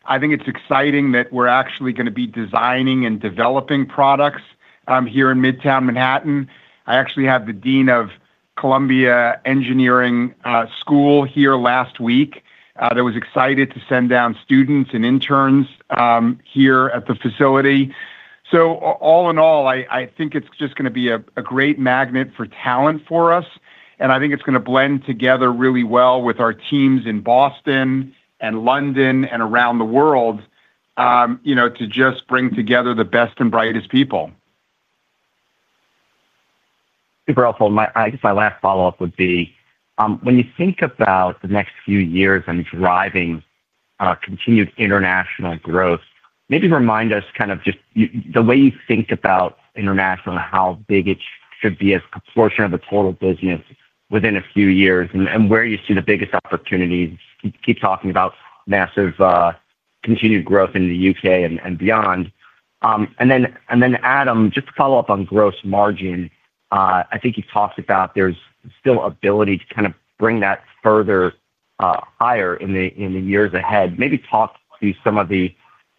Speaker 3: I think it's exciting that we're actually going to be designing and developing products here in Midtown, Manhattan. I actually had the dean of Columbia Engineering School here last week that was excited to send down students and interns here at the facility. All in all, I think it's just going to be a great magnet for talent for us. I think it's going to blend together really well with our teams in Boston and London and around the world. To just bring together the best and brightest people.
Speaker 6: Super helpful. I guess my last follow-up would be, when you think about the next few years and driving continued international growth, maybe remind us kind of just the way you think about international and how big it should be as a proportion of the total business within a few years and where you see the biggest opportunities. You keep talking about massive continued growth in the U.K. and beyond. Then, Adam, just to follow up on gross margin, I think you've talked about there's still ability to kind of bring that further. Higher in the years ahead. Maybe talk to some of the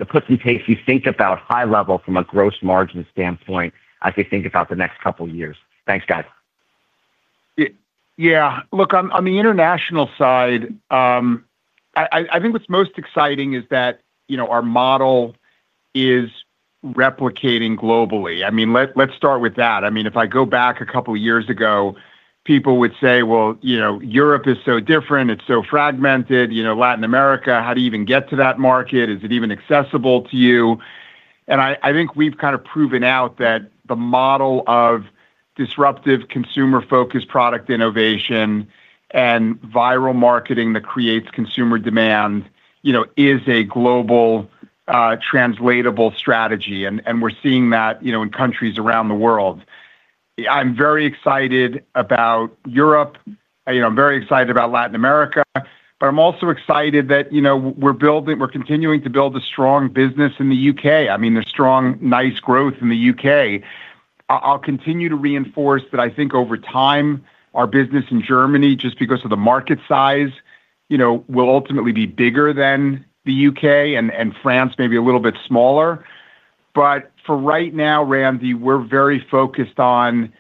Speaker 6: puts and takes you think about high level from a gross margin standpoint as we think about the next couple of years. Thanks, guys.
Speaker 3: Yeah. Look, on the international side. I think what's most exciting is that our model is. Replicating globally. I mean, let's start with that. I mean, if I go back a couple of years ago, people would say, "Well, Europe is so different. It's so fragmented. Latin America, how do you even get to that market? Is it even accessible to you? I think we've kind of proven out that the model of disruptive consumer-focused product innovation and viral marketing that creates consumer demand is a global, translatable strategy. We're seeing that in countries around the world. I'm very excited about Europe. I'm very excited about Latin America. I'm also excited that we're continuing to build a strong business in the U.K. I mean, there's strong, nice growth in the U.K. I'll continue to reinforce that I think over time, our business in Germany, just because of the market size, will ultimately be bigger than the U.K. and France maybe a little bit smaller. For right now, Randy, we're very focused on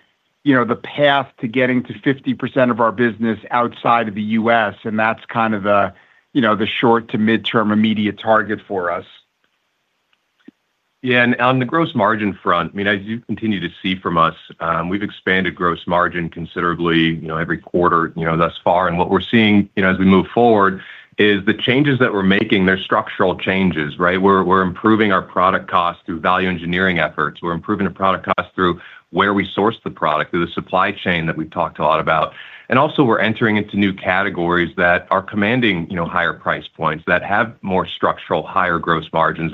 Speaker 3: the path to getting to 50% of our business outside of the U.S. and that's kind of the short to midterm immediate target for us.
Speaker 4: Yeah. On the gross margin front, I mean, as you continue to see from us, we have expanded gross margin considerably every quarter thus far. What we are seeing as we move forward is the changes that we are making, they are structural changes, right? We are improving our product cost through value engineering efforts. We are improving our product cost through where we source the product, through the supply chain that we have talked a lot about. Also, we are entering into new categories that are commanding higher price points that have more structural, higher gross margins.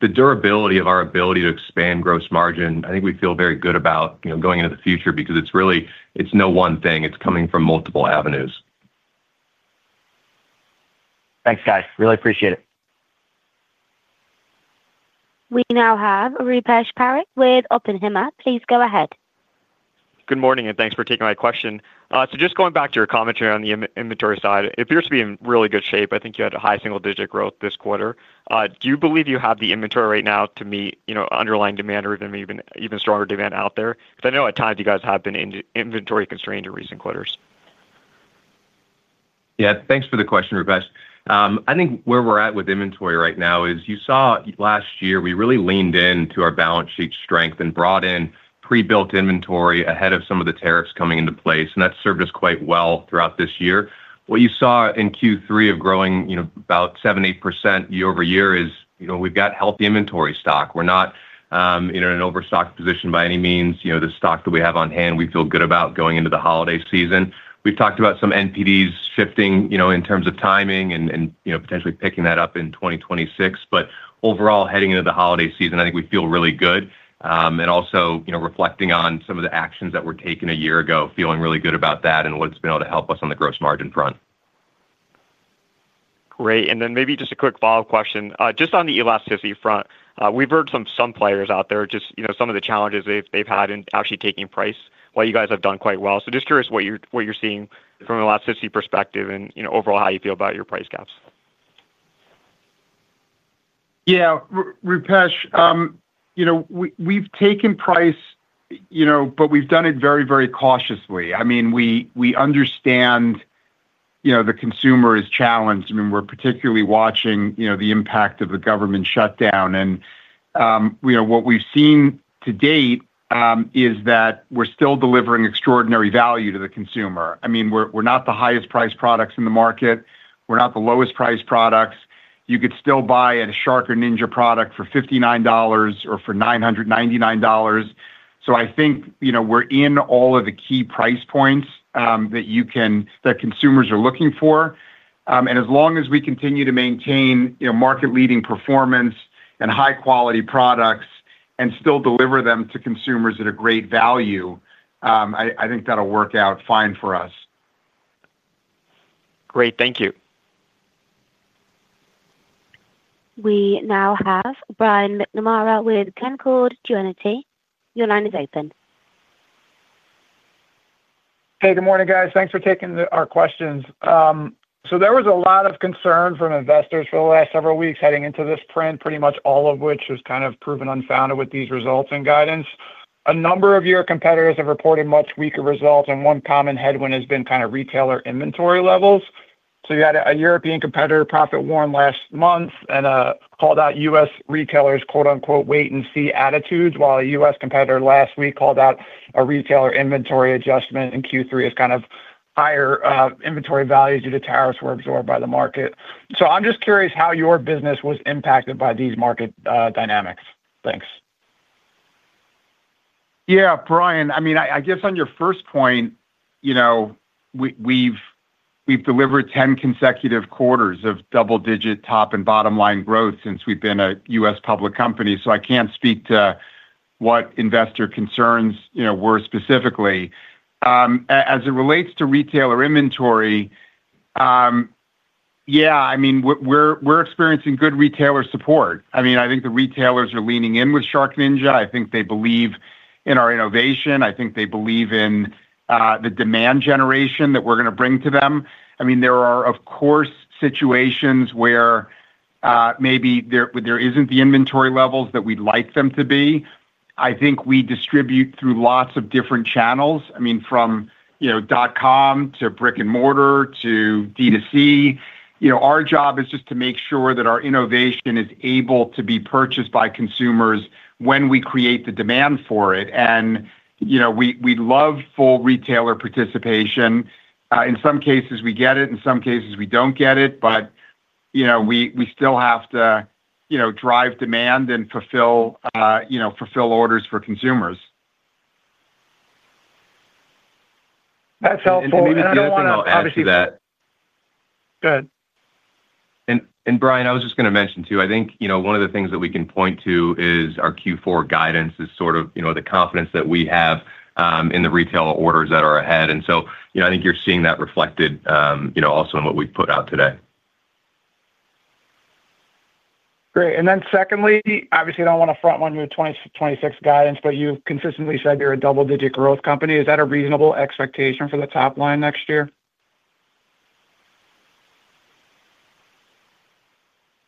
Speaker 4: The durability of our ability to expand gross margin, I think we feel very good about going into the future because it is really, it is no one thing. It is coming from multiple avenues.
Speaker 6: Thanks, guys. Really appreciate it.
Speaker 1: We now have Rupesh Parikh with Oppenheimer. Please go ahead.
Speaker 7: Good morning and thanks for taking my question. Just going back to your commentary on the inventory side, it appears to be in really good shape. I think you had a high single-digit growth this quarter. Do you believe you have the inventory right now to meet underlying demand or even stronger demand out there? Because I know at times you guys have been inventory constrained in recent quarters.
Speaker 3: Yeah. Thanks for the question, Rupesh. I think where we're at with inventory right now is you saw last year we really leaned into our balance sheet strength and brought in pre-built inventory ahead of some of the tariffs coming into place. That has served us quite well throughout this year. What you saw in Q3 of growing about 7-8% year over year is we have healthy inventory stock. We are not in an overstocked position by any means. The stock that we have on hand, we feel good about going into the holiday season. We've talked about some NPDs shifting in terms of timing and potentially picking that up in 2026. Overall, heading into the holiday season, I think we feel really good. Also reflecting on some of the actions that were taken a year ago, feeling really good about that and what it's been able to help us on the gross margin front.
Speaker 7: Great. Maybe just a quick follow-up question. Just on the elasticity front, we've heard from some players out there just some of the challenges they've had in actually taking price while you guys have done quite well. Just curious what you're seeing from an elasticity perspective and overall how you feel about your price gaps.
Speaker 4: Yeah. Rupesh. We've taken price. We've done it very, very cautiously. I mean, we understand. The consumer is challenged. I mean, we're particularly watching the impact of the government shutdown. What we've seen to date is that we're still delivering extraordinary value to the consumer. I mean, we're not the highest priced products in the market. We're not the lowest priced products. You could still buy a Shark or Ninja product for $59 or for $999. I think we're in all of the key price points that consumers are looking for. As long as we continue to maintain market-leading performance and high-quality products and still deliver them to consumers at a great value, I think that'll work out fine for us.
Speaker 7: Great. Thank you.
Speaker 1: We now have Brian McNamara with Canaccord Genuity. Your line is open.
Speaker 8: Hey, good morning, guys. Thanks for taking our questions. There was a lot of concern from investors for the last several weeks heading into this print, pretty much all of which was kind of proven unfounded with these results and guidance. A number of your competitors have reported much weaker results. One common headwind has been kind of retailer inventory levels. You had a European competitor profit warned last month and called out U.S. retailers' "wait and see" attitudes, while a U.S. competitor last week called out a retailer inventory adjustment in Q3 as kind of higher inventory values due to tariffs were absorbed by the market. I'm just curious how your business was impacted by these market dynamics. Thanks.
Speaker 3: Yeah, Brian. I mean, I guess on your first point. We've delivered 10 consecutive quarters of double-digit top and bottom line growth since we've been a U.S. public company. I can't speak to what investor concerns were specifically. As it relates to retailer inventory, yeah, I mean, we're experiencing good retailer support. I mean, I think the retailers are leaning in with SharkNinja. I think they believe in our innovation. I think they believe in the demand generation that we're going to bring to them. I mean, there are, of course, situations where maybe there isn't the inventory levels that we'd like them to be. I think we distribute through lots of different channels, from dot com to brick and mortar to D to C. Our job is just to make sure that our innovation is able to be purchased by consumers when we create the demand for it. We'd love full retailer participation. In some cases, we get it. In some cases, we don't get it. We still have to drive demand and fulfill orders for consumers.
Speaker 8: That's helpful. I do not want to obviously—go ahead.
Speaker 4: Brian, I was just going to mention too, I think one of the things that we can point to is our Q4 guidance is sort of the confidence that we have in the retail orders that are ahead. I think you are seeing that reflected also in what we have put out today.
Speaker 8: Great. Secondly, obviously, I do not want to front-run your 2026 guidance, but you have consistently said you are a double-digit growth company. Is that a reasonable expectation for the top line next year?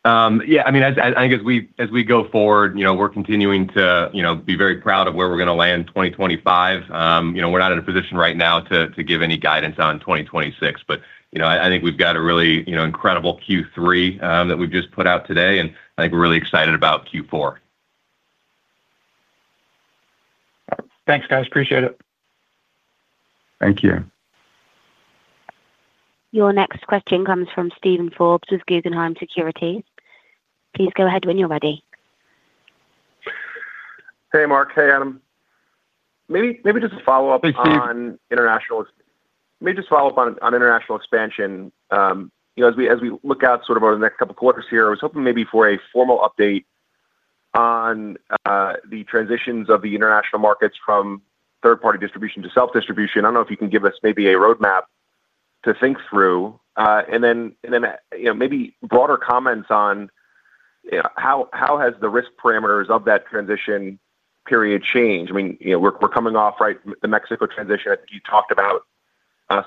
Speaker 4: Yeah. I mean, I think as we go forward, we are continuing to be very proud of where we are going to land in 2025. We are not in a position right now to give any guidance on 2026. I think we've got a really incredible Q3 that we've just put out today. I think we're really excited about Q4.
Speaker 8: Thanks, guys. Appreciate it.
Speaker 3: Thank you.
Speaker 1: Your next question comes from Steven Forbes with Guggenheim Securities. Please go ahead when you're ready.
Speaker 9: Hey, Mark. Hey, Adam. Maybe just a follow-up on international. Maybe just a follow-up on international expansion. As we look out sort of over the next couple of quarters here, I was hoping maybe for a formal update on the transitions of the international markets from third-party distribution to self-distribution. I don't know if you can give us maybe a roadmap to think through. And then maybe broader comments on how has the risk parameters of that transition period changed? I mean, we're coming off, right, the Mexico transition. I think you talked about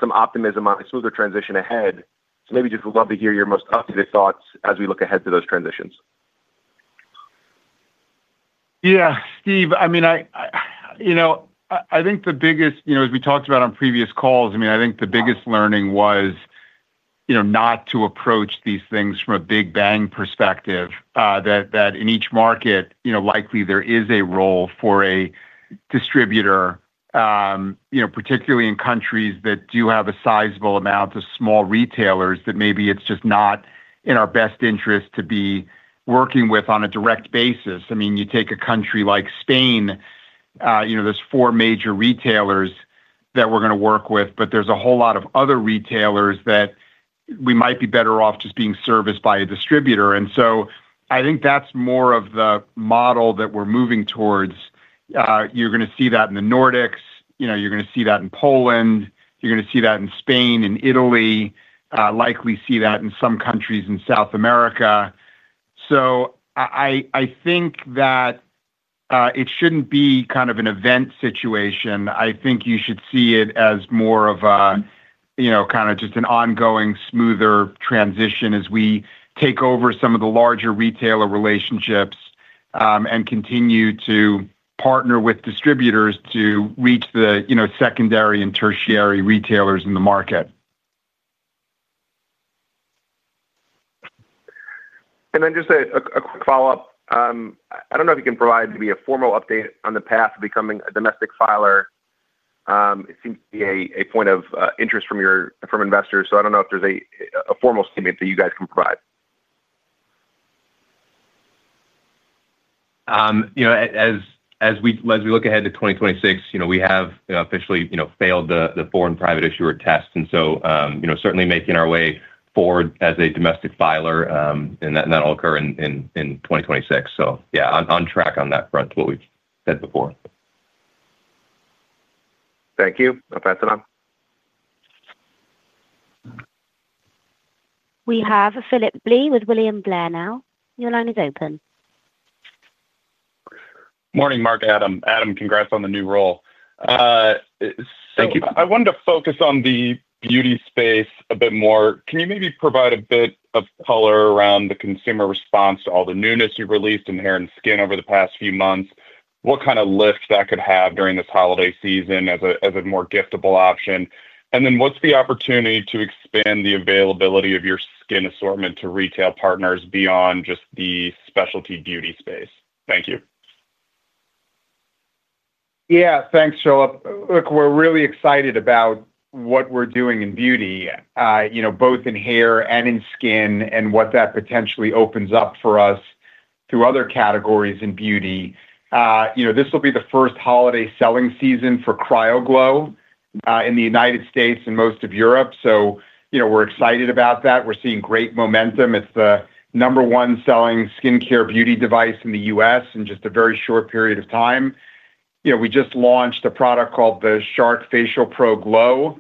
Speaker 9: some optimism on a smoother transition ahead. Maybe just would love to hear your most updated thoughts as we look ahead to those transitions.
Speaker 3: Yeah. Steve, I mean, I think the biggest, as we talked about on previous calls, I mean, I think the biggest learning was not to approach these things from a big bang perspective, that in each market, likely there is a role for a distributor. Particularly in countries that do have a sizable amount of small retailers that maybe it's just not in our best interest to be working with on a direct basis. I mean, you take a country like Spain. There are four major retailers that we're going to work with, but there is a whole lot of other retailers that we might be better off just being serviced by a distributor. I think that's more of the model that we're moving towards. You're going to see that in the Nordics. You're going to see that in Poland. You're going to see that in Spain and Italy. Likely see that in some countries in South America. I think that it shouldn't be kind of an event situation. I think you should see it as more of a kind of just an ongoing smoother transition as we take over some of the larger retailer relationships and continue to partner with distributors to reach the secondary and tertiary retailers in the market.
Speaker 9: And then just a quick follow-up. I don't know if you can provide maybe a formal update on the path to becoming a domestic filer. It seems to be a point of interest from investors. I don't know if there's a formal statement that you guys can provide.
Speaker 3: As we look ahead to 2026, we have officially failed the foreign private issuer test. Certainly making our way forward as a domestic filer, and that'll occur in 2026. Yeah, on track on that front to what we've said before.
Speaker 9: Thank you. I'll pass it on.
Speaker 1: We have Phillip Blee with William Blair now. Your line is open.
Speaker 10: Morning, Mark, Adam. Adam, congrats on the new role.
Speaker 4: Thank you.
Speaker 10: I wanted to focus on the beauty space a bit more. Can you maybe provide a bit of color around the consumer response to all the newness you've released in hair and skin over the past few months? What kind of lift that could have during this holiday season as a more giftable option? What's the opportunity to expand the availability of your skin assortment to retail partners beyond just the specialty beauty space? Thank you.
Speaker 3: Yeah. Thanks, Phillip. Look, we're really excited about what we're doing in beauty, both in hair and in skin, and what that potentially opens up for us through other categories in beauty. This will be the first holiday selling season for CryoGlow in the United States and most of Europe. We're excited about that. We're seeing great momentum. It's the number one selling skincare beauty device in the U.S. in just a very short period of time. We just launched a product called the Shark FacialPro Glow.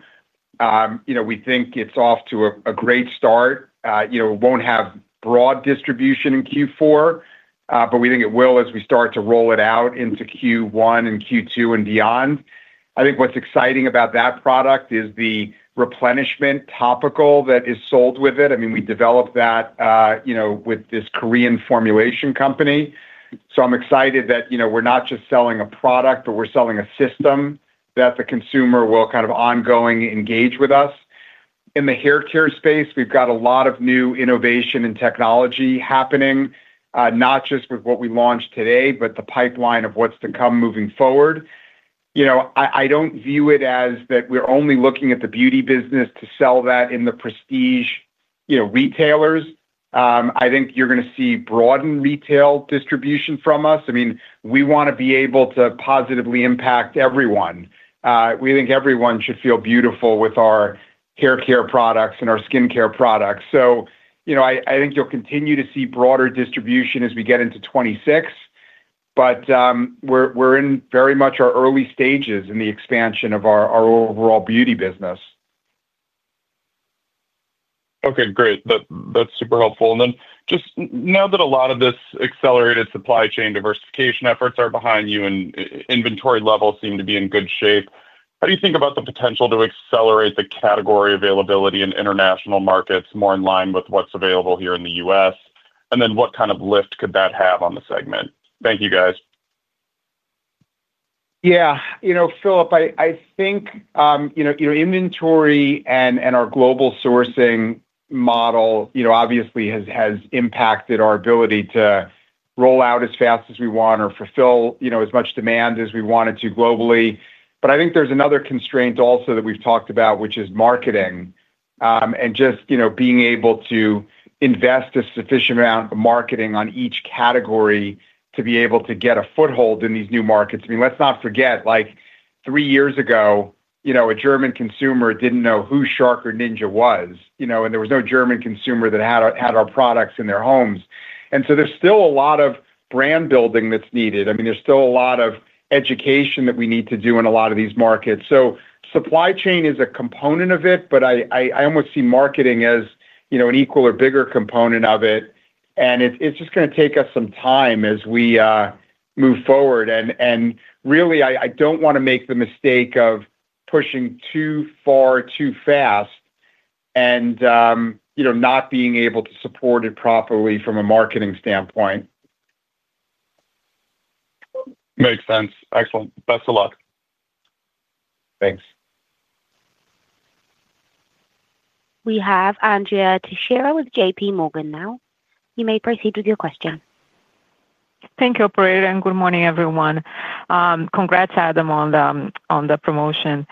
Speaker 3: We think it's off to a great start. It won't have broad distribution in Q4, but we think it will as we start to roll it out into Q1 and Q2 and beyond. I think what's exciting about that product is the replenishment topical that is sold with it. I mean, we developed that with this Korean formulation company. I'm excited that we're not just selling a product, but we're selling a system that the consumer will kind of ongoing engage with us. In the hair care space, we've got a lot of new innovation and technology happening, not just with what we launched today, but the pipeline of what's to come moving forward. I don't view it as that we're only looking at the beauty business to sell that in the prestige retailers. I think you're going to see broadened retail distribution from us. I mean, we want to be able to positively impact everyone. We think everyone should feel beautiful with our hair care products and our skincare products. I think you'll continue to see broader distribution as we get into 2026. We're in very much our early stages in the expansion of our overall beauty business.
Speaker 10: Okay. Great. That's super helpful. Just now that a lot of this accelerated supply chain diversification efforts are behind you and inventory levels seem to be in good shape, how do you think about the potential to accelerate the category availability in international markets more in line with what's available here in the U.S.? What kind of lift could that have on the segment? Thank you, guys.
Speaker 3: Yeah. Phillip, I think your inventory and our global sourcing model obviously has impacted our ability to roll out as fast as we want or fulfill as much demand as we wanted to globally. I think there's another constraint also that we've talked about, which is marketing. Just being able to invest a sufficient amount of marketing on each category to be able to get a foothold in these new markets. I mean, let's not forget. Three years ago, a German consumer didn't know who Shark or Ninja was. And there was no German consumer that had our products in their homes. There's still a lot of brand building that's needed. I mean, there's still a lot of education that we need to do in a lot of these markets. Supply chain is a component of it, but I almost see marketing as an equal or bigger component of it. It's just going to take us some time as we move forward. I don't want to make the mistake of pushing too far too fast. Not being able to support it properly from a marketing standpoint.
Speaker 10: Makes sense. Excellent. Best of luck.
Speaker 3: Thanks.
Speaker 1: We have Andrea Teixeira with JPMorgan now. You may proceed with your question.
Speaker 11: Thank you, Operator. Good morning, everyone. Congrats, Adam, on the promotion.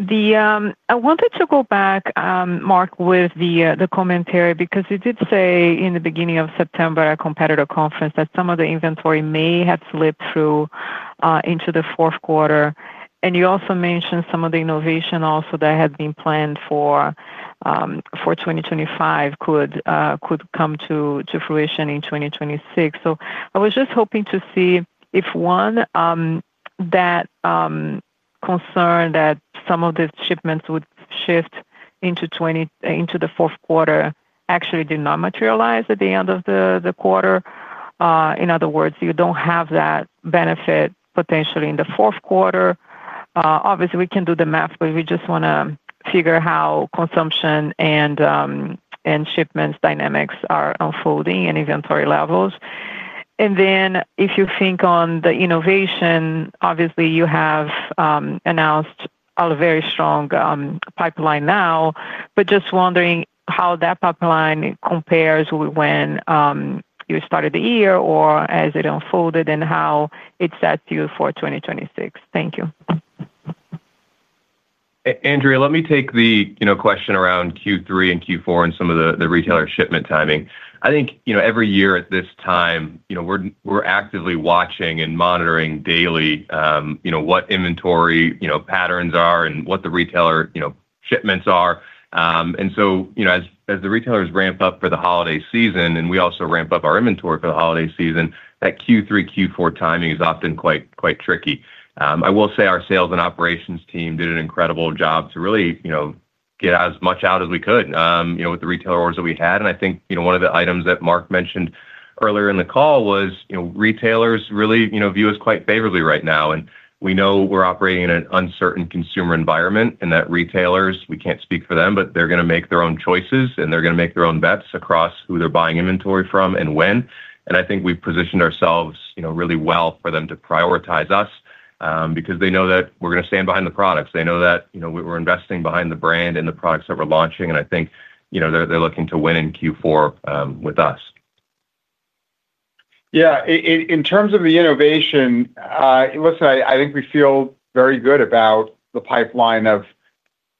Speaker 11: I wanted to go back. Mark, with the commentary, because you did say in the beginning of September at a competitor conference that some of the inventory may have slipped through into the fourth quarter. You also mentioned some of the innovation also that had been planned for 2025 could come to fruition in 2026. I was just hoping to see if, one, that concern that some of the shipments would shift into the fourth quarter actually did not materialize at the end of the quarter. In other words, you do not have that benefit potentially in the fourth quarter. Obviously, we can do the math, but we just want to figure how consumption and shipments dynamics are unfolding and inventory levels. If you think on the innovation, obviously, you have announced a very strong pipeline now, but just wondering how that pipeline compares when you started the year or as it unfolded and how it's set to you for 2026. Thank you.
Speaker 4: Andrea, let me take the question around Q3 and Q4 and some of the retailer shipment timing. I think every year at this time, we're actively watching and monitoring daily what inventory patterns are and what the retailer shipments are. As the retailers ramp up for the holiday season and we also ramp up our inventory for the holiday season, that Q3, Q4 timing is often quite tricky. I will say our sales and operations team did an incredible job to really get as much out as we could with the retail orders that we had. I think one of the items that Mark mentioned earlier in the call was retailers really view us quite favorably right now. We know we're operating in an uncertain consumer environment and that retailers, we can't speak for them, but they're going to make their own choices and they're going to make their own bets across who they're buying inventory from and when. I think we've positioned ourselves really well for them to prioritize us because they know that we're going to stand behind the products. They know that we're investing behind the brand and the products that we're launching. I think they're looking to win in Q4 with us.
Speaker 3: In terms of the innovation, I think we feel very good about the pipeline of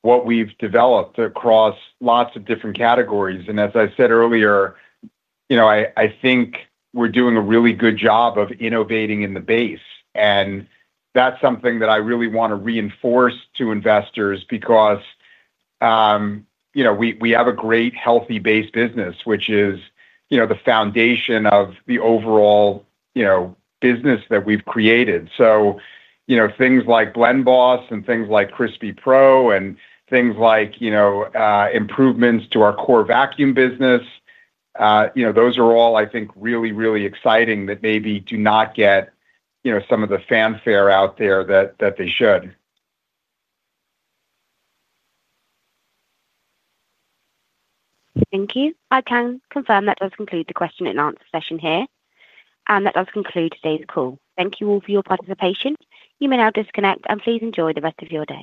Speaker 3: what we've developed across lots of different categories. As I said earlier, I think we're doing a really good job of innovating in the base. That's something that I really want to reinforce to investors because. We have a great healthy base business, which is the foundation of the overall business that we've created. Things like Blend Boss and things like Crispi Pro and things like improvements to our core vacuum business, those are all, I think, really, really exciting that maybe do not get some of the fanfare out there that they should.
Speaker 1: Thank you. I can confirm that does conclude the question and answer session here. That does conclude today's call. Thank you all for your participation. You may now disconnect and please enjoy the rest of your day.